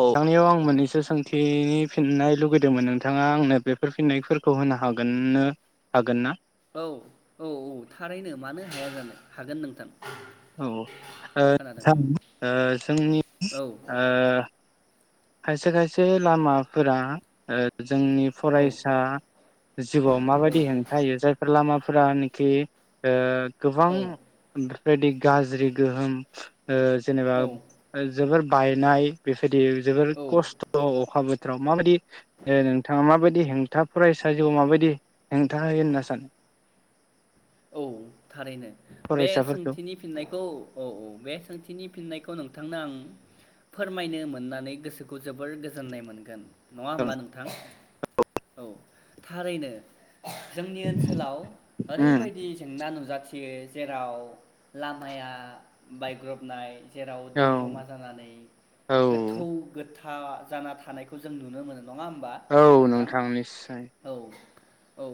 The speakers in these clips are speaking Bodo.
औ आांनियाव आं औ मोननैसो सोंथिनि फिननाय लुगैदोंमोन नोंथाङा आंनो बेफोर फिननायफोरखौ होनो हागोननो हागोन ना औ औ औ थारैनो मानो हाया जानो हागोन नोंथां औ उ खोनादों औ जोंनि औ उ खायसे खायसे लामाफोरा उ जोंनि औ फरायसा जिउआव माबायदि हेंथा होयो जायफोर लामा फोरानखि उ गोबां औ [inaudible] बेबायदि गाज्रि गोहोम ओ जेनेबा औ [inaudible] जोबोर बायनाय बेबायदि जोबोर औ खस्थ' अखा बोथोराव माबायदि ओ नोंथाङा माबायदि हेंथा फरायसालिआव माबायदि हेंथा होयो होनना सानो? थारैनो बे फरायसाफोरखौ सोंथिनि फिननायखौ औ औ बे सोंथिनि फिननायखौ नों थांनो आं फोरमायनो मोननानै गोसोखौ जोबोर गोजोननाय मोनगोन नङा औ होमबा नोंथां औ थारैनो जोंनि ओनसोलाव उम ओरैबायदि जेंना नु जाथियो जेराव लामाया बायग्रबनाय जेराव औ दै जमा जानानै औ गोथौ गोथौ हा जाना थानायखौ जों नुनो मोन नङा होमबा औ नोंथां निस्सय औ औ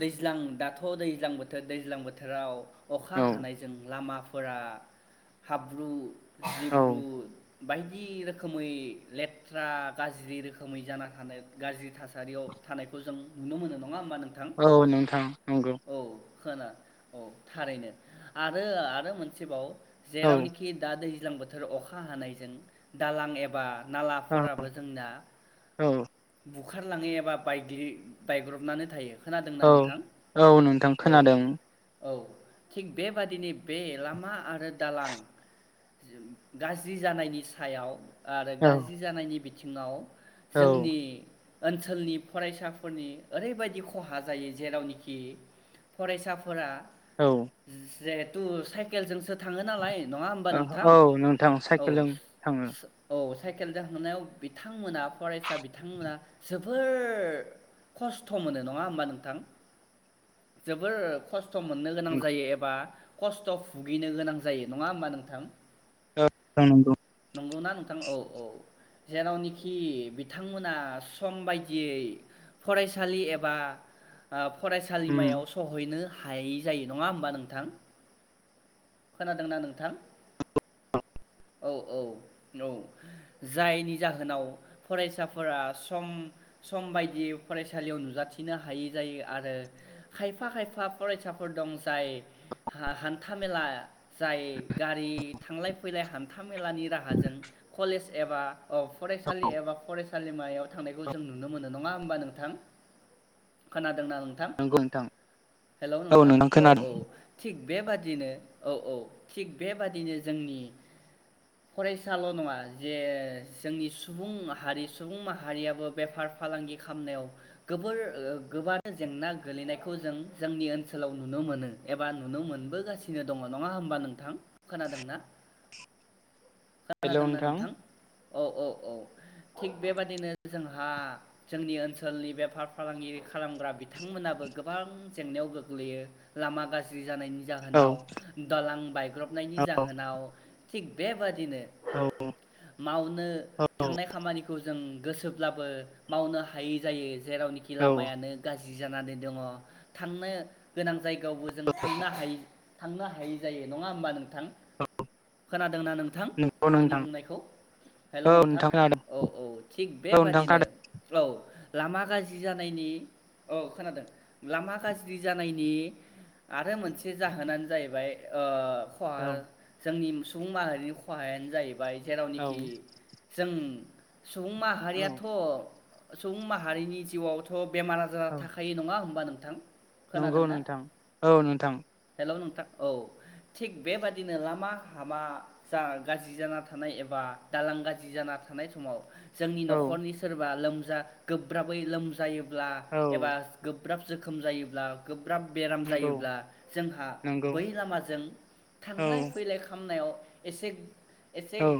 दैज्लां दाथ' दैज्लां बोथोर दैज्लां बो थोराव अखा औ हानायजों लामा फोरा हाब्रु जिब्रु औ बायदि रोखोमै लेथ्रा गाज्रि रोखोमै जाना थानाय गाज्रि थासारियाव थानायखौ जों नुनो मोनो नङा होमबा नोंथां औ नोंथां नंगौ औ खोना औ थारैनो आरो आरो मोनसेबाव औ जेरावनिखि दा दै ज्लां बोथोर अखा हानायजों दालां एबा औ नालाफोराबो जोंना औ बु खारलाङो एबा बायग्लि बायग्रबनानै थायो। खोनादोंना औ नोंथां? औ नोंथां औ खोनादों औ थिग बेबादिनो बे लामा आरो दालां गाज्रि जानायनि सायाव आरो औ गाज्रि जानायनि बि थिङाव औ जोंनि ओनसोलनि फरायसाफोरनि ओरैबायदि खहा जायो जेरावनोखि फरायसाफोरा औ जेहेथु साइकेलजोंसो थाङो नालाय नङा होमबा ओ नोंथां औ नोंथां औ साइकेलजों थाङो। औ साइकेलजों हांनायाव बिथांमोना फरायसा बिथांमोना जोबोर खस्थ' मोनो नङा होमबा नोंथां जोबोर खस स्थ' मोननो गोनां जायो एबा खस्थ' भुगिनो गोनां जायो नङा होमबा नोंथां औ औ नोंगौ नंगौना नोंथां औ औ जेरावनोखि बिथांमोना सम बायदियै फरायसालि एबा ओ उम फरायसालिमायाव सहैनो हायि जायो नङा होमबा नोंथां खोनादोंना नोंथां औ औ औ जायनि जाहोनाव फरायसाफोरा सम सम बायदियै फरायसालियाव नुजाथिनो हायै जायो आरो खायफा खायफा फरायसाफोर दं जाय हान्थाामेला जाय गारि थांलाय फैलाय हान थामेलानि राहाजों कलेज एबा औ फरायसालि औ एबा फराय सालिमायाव थांनायखौ औ जों नुनो मोनो नङा होमबा नोंथां खोना दोंना नोंथां नंगौ नोंथां हेल' नोंथां औ औ थिग बेबादिनो औ औ थिग बेबादिनो जोंनि फरायसाल' नङा जे जोंनि सुबुं हारि सुबुं माहारियाबो बेफार फालांगि खालामनायाव गोबोर गोबां जेंना गोगलैनायखौ जों जोंनि ओनसोलाव नुनो मोनो एबा नुनो मोनबोगासिनो दङ नङा होमबा नोंथां खोनादोंना? खोनादोंना नोंथां औ औ औ थिग बेबादिनो जोंहा जोंनि ओनसोलनि बेफार फालांगि खालामग्रा बिथांमोनाबो गोबां जेंनायाव गोग्लैयो लामा गाज्रि जानायनि औ जाहोनाव दालां बायग्रबनायनि औ जाहोनाव थिक बे बादि औ मावनो औ थांनाय खामानिखौ जों गोसोब्लाबो मावनो हायै जायो जेरावनिखि औ लामायानो गाज्रि जि जानानै दङ थांनो गोनां जायगायावबो जों थांनो हायि थांनो हायै जायो नङा होमबा नों नोंथां खोनादोंना नोंथां नंगौ आंनि नोंथां बुंनायखौ हेल' औ नोंथां खोनादों औ औ थिग औ नोंथां बेबादिनो खोनादों औ लामा गाज्रि जानायनि औ खोनादों लामा गाज्रि जानायनि आरो मोनसे जाहोनानो जाहैबाय ओ औ अ जोंनि सुबुं माहारिनि खहायानो जाहैबाय औ जेरावनोखि जों सुबुं औ माहारियाथ' सुबुं माहारिनि जिउआवथ' बेमार आजार औ थाखायो नङा होनोमबा नों नोंथां। नंगौ खोनादोंना नोंथां औ नोंथां। हेलौ नोंथां औ थिग बेबादिनो लामा हामा जा गाज्रि जाना थानाय एबा दालां गाज्रि जाना थानाय समाव जोंनि औ न'खरनि सोरबा लोम जा गोब्राबै लोम जायोब्ला औ एबा गोब्राब जोखोम जायो ब्ला गो ब्राब बेराम नंगौ जायोब्ला जोंहा नंगौ बै लामाजों औ थांलाय फैलाय खामनायाव एसे एसे औ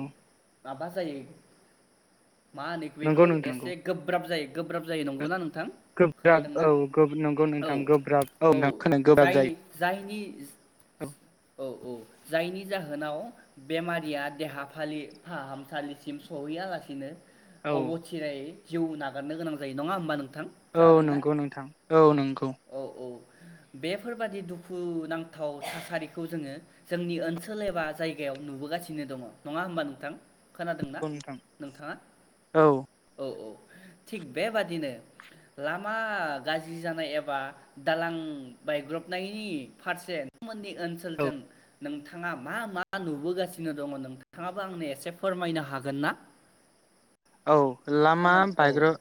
माबा जायो मा होनो बेखौ नंगौ नोंथां नंगौ एसे गोब्राब जायो। गोब्राब जायो। नंगौ ना नों गोब्राब औ नंगौ नों औ थां गोब्राब औ [unintelligible] गोब्राब जायो। नि औ औ औ। जायनि जाहोनाव बेमारिया देहा फालि फाहामसालिसिम सहैयालासिनो औ अब'थिरायै जिउ नागारनो गोनां जायो। नङा होमबा नों औ नंगौ नोंथां। औ नंगौ। औ औ बेफोरबादि दुखु नांथाव थासारिखौ जोङो जोंनि ओनसोल एबा जायगायाव नुबोगासिनो दङ'। नङा होमबा नोंथां? खोनादों ना नोंथां नोंथाङा? औ औ औ। थिग बेबादिनो लामा गाज्रि जानाय ए बा दालां बायग्रबनायनि पारसे नोंथांमोननि ओनसोलजों नोंथाङा मा मा नुबोगासिनो दङ' नोंथाङाबो आंनो एसे फोरमायनो हागोन ना? औ लामा खोना औ बायग्रब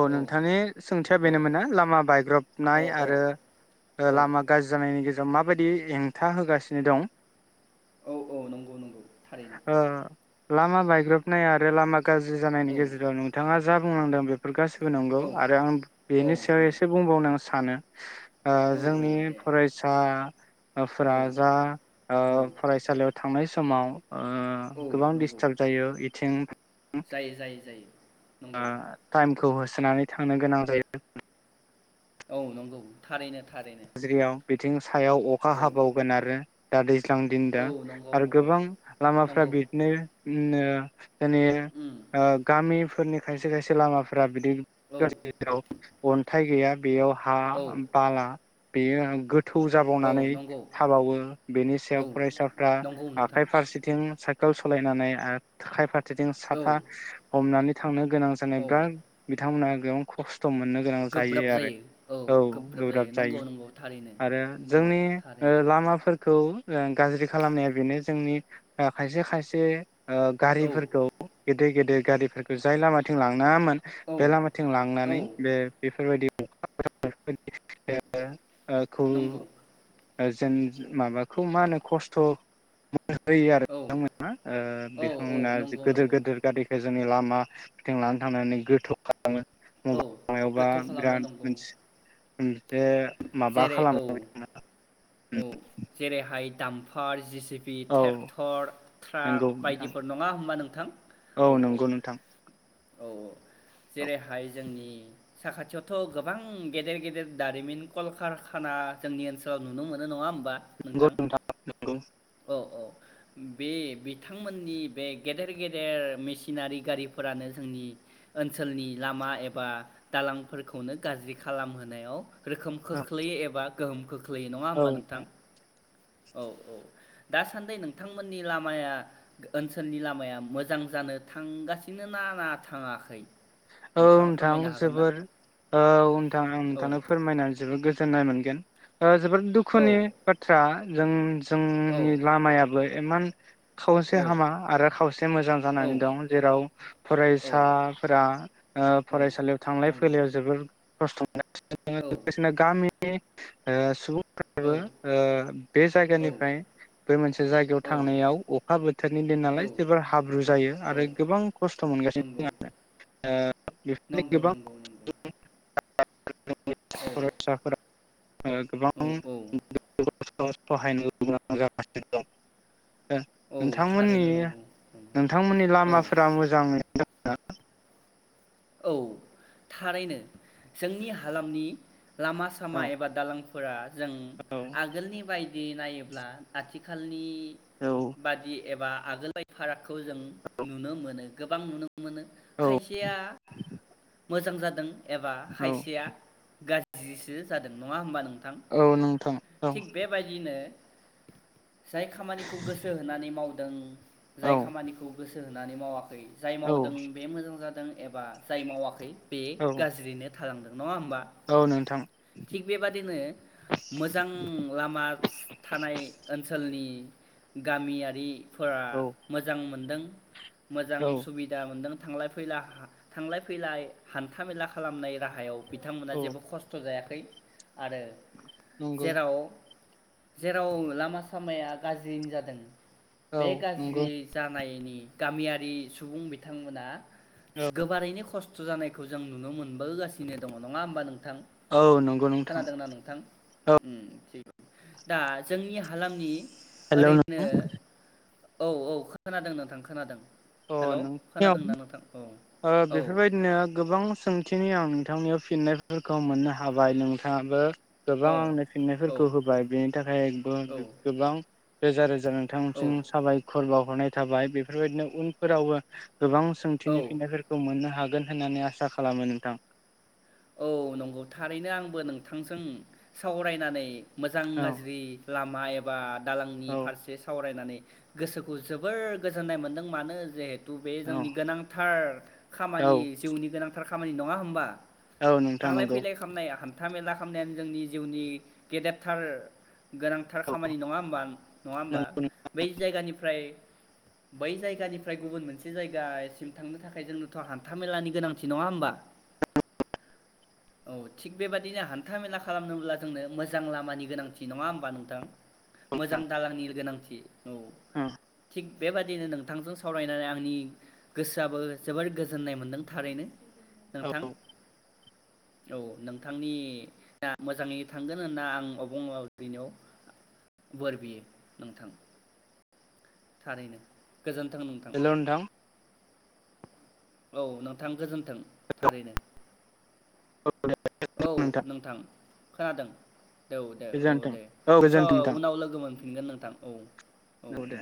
औ नोंथांनि सोंथिया औ बेनोमोन ना लामा बायग्रब नाय आरो ओ औ लामा गाज्रि जानाय नि गेजेराव माबायदि हेंथा होगासिनो दं? औ औ नंगौ नंगौ थारैनो ओ लामा बायग्रोबनाय आरो लामा गा जानायनि औ गेजेराव नोंथाङा जा बुंलांदों बेफोर गासिब बो‌ नंगौ औ आरो आं औ बेनि सायाव एसे बुंबावनो सानो ओ औ औ जोंनि दे औ फरायसाफोरा जा ओ औ फरायसालियाव थांनाय समाव ओ औ गोबां नंगौ दिडस्टार्ब जायो इथिं जायो जायो जायो नंगौ खौ होसोनानै थांनो गोनां जायो औ नंगौ थारैनो थारैनो गाज्रिआव बिद सायाव अखा औ हाबावगोन आरो दा दै ज्लां दिन औ दा नंगौ आरो नंगौ गोबां लामाफ्रा नंगौ बिदिनो ओजोंनि उम गामिफोरनि खायसे खायसे लामाफोरा बिदि औ [unintelligible] थाय गैया बेयाव हा औ बाला बेयो आ गो थौ औ जाबावनानै नंगौ थाबावो बेनि औ सायाव फरायसाफ्रा नंगौ नोंथां आखाइ फारसेथिं सा गाव सालायनानै आखायफार सेथिं औ साथा हमनानै थांनो गोनां औ जानायफोरा बिथांमोना गोबां खस्थ स्थ' मोननो गोनां जायो आरो औ गोब्राब जायो आरो औ जोंनि थारैनो लामाफोर खौ गाज्रि खालामनाया बेनो जोंनि खायसे खायसे ओ औ गारिफोरखौ गेदेर गेदेर गारिफोरखौ जाय लामाथिं लांनाङामोन औ बे लामाथिं औ लांनानै बेफोरबायदि [unintelligible] [unintelligible] ख [unintelligible] नंगौ ओ जों माबा खौ औ मा होनो खस्थ' होयो आरो औ बिथांमोना औ औ बिथांमोना नंगौ गोदोर नंगौ गोदोर गारि गाय जोंनि लामा फोरथिं लानानै थांनानै गोथौ औ गोथौ [unintelligible] खालामो बिराद नंगौ मोनसि उम जेरै औ औ जेरै हाइट दामफार जि पि औ ट्रेक्टर ट्राक नंगौ नोंथां बायदिफोर नङा होमबा नोंथां औ नंगौ नोंथां औ औ औ जेरैहाय जोंनि साखाथियावथ' गोबां गेदेर गेदेर दारिमिन कलकारखाना जोंनि ओनसोलाव नुनो मोनो नङा होमबा बा नंगौ नोंथां नंगौ औ औ बे बिथांमोननि बे गेदेर गेदेर मेसिनारि गारिफोरानो जोंनि ओनसोलनि लामा एबा दालांफोरखौनो गाज्रि खालामहोनायाव रोखोम खोख्लैयो एबा गोहोम खो ख्लैयो नङा औ होमबा औ नोंथां औ औ दासान्दि नोंथांमोननि लामाया ओनसोलनि लामाया मोजां जानो थांगासिनो न ना थाङाखै औ नोंथाङा नोंथां फोरमायनो हागोन ना जोबोर औ नोंथां आं औ नोंथांनो फोरमायनानै जोबोर गोजोन जोन्नाय मोनगोन जोबोद औ दुखुनि बाथ्रा जों औ जोंनि लामायाबो इमान खावसे औ हामा आरो खावसे मोजां औ जानानै दं जेराव औ फरायसा फोरा ओ फरायसालियाव थांलाय नंगौ फैलायाव जोबोर औ खस्थ [unintelligible] गामि ओ सुबुं औ [unintelligible] ओ बे जायगानिफ्राय औ बे मोनसे जायगायाव औ थांनायाव अखा बोथोरनि दिन नालाय जोबोर हाब्रु जायो आरो औ गोबां खस्थ' मोनगासिनो नंगौ दङ ओ नंगौ नंगौ [unintelligible] औ फरायसाफोरा गोबां [unintelligible] औ औ [unintelligible] औ नोंथांमोननि थारैनो नंगौ नंगौ नोंथांमोननि औ लामाफोरा मोजाङै औ थारैनो जोंनि हालामनि लामा सामा औ एबा दालांफोरा जों औ आगोलनि बायदि बिदि नायोब्ला आथिखालनि औ बादि एबा आगोलाय फारागखौ जों नुनो मोनो गोबां नुनो मोनो मोनो औ खायसेया मोजां जादों एबा औ खायसेया गाज्रि बिदिसो जादों नङा होमबा नों औ नोंथां औ जाय खामानिखौ गोसो होनानै मावदों जाय औ खामानिखौ गोसो होनानै मावाखै जाय औ मावदों बे मोजां जादों एबा जाय मावाखै बे औ गाज्रियनो थालांदों नंआहोनबा औ नोंथां थिग बेबादिनो मोजां लामा थानाय ओनसोलनि गामियारि फोरा औ मोजां मोनदों मोजां औ सुबिदा मोनदों थांलाय फैला थांलाय फैलाय हान्था मेला खालामनाय राहायाव बिथांमोना औ जेबो खस्थ' जायाखै ओय आरो नंगौ जेराव जेराव लामा सामाया गाज्रि जादों औ बे नंगौ गाज्रि जानायनि गामियारि सुबुं बिथांमोना औ गोबारैनो खस्थ खस्थ' जानायखौ जों नुनो मोनबोगासिनो दं नङा होमबा नों? थां औ नंगौ नोंथां खोनादोंना नोंथां? उम दा जोंनि हालामनि हेलौ ओरैनो नोंथां औ औ खोनादों नोंथां खोनादों। अ हेलौ नोंथांनियाव खोनादोंना नोंथां औ। ओ औ बेफोरबायदिनो गोबां सोंथिनि ओं नोंथां। नियाव फिननायफोरखौ मोननो हाबाय नोंथांआबो गोबां औ आंनो औ फिननायफोरखौ होबाय बेनि थाखायबो औ गोबां रोजा रोजा नोंथांनिसिम साबायखर बाव हरनाय थाबाय बेफोरबायदिनो उन फोरावबो गोबां औ सोंथिनि फिन्नायफोरखौ मोननो हागोन। होननानै आसा खालामो नोंथां। औ नंगौ थारैनो आंबो नोंथांजों सावरायनानै मोजां औ गाज्रि लामा एबा दालांनि औौ फारसे सावरायनानै गोसोखौ जोबोर गोजोननाय मोन्दों मानो जेे बे औ जोंनि गोनांथार खामानि औ जिउनि गोनां थार खामानि नङा होमबा? औ नोंथां थांलाय नंगौ फैलाय खामनाया हाम हान्था मेला खालामनायानो जोंनि जिउनि गेदेरथार गोनांथार औ खामानि नङा होमबा नङा होमबा नंगौ बै जायगानिफ्राय बै जायगानिफ्राय गुबुन मोनसे जायगासिम थांनो थाखाय जोंनोथ' हान्था मेलानि गोनांथि नङा होमबा? औ थिग बेबादिनो हान्थाामेला खालामनोब्ला जोंनो मोजां लामानि गोनांथि नङा होमबा नोंथां? मोजां दालांनि गोनांथि। औ। उम। थिग बेबादिनो नोंथांजों सावरायनानै आंनि गोसोआबो जोबोर गोजोननाय मोनदों थारैनो। नोंथां। औ नोंथांनि मोजाङै थांगोन होनना आं अबंलावरिनियाव बोर बियो नोंथां। थारैनो। गोजोन्थों नोंथां। औ नोंथां गोजोन्थों थारैनो। औ औ नोंथां। खोनादों। औ दे औ गोजोन्थों दे औ स' गोजोन्थों नोंथां उनाव लोगो मोनफिनगोन नोंथां औ औ औ।